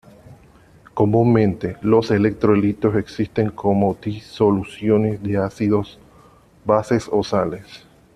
Comúnmente, los electrolitos existen como disoluciones de ácidos, bases o sales.